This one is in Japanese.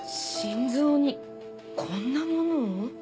心臓にこんなものを。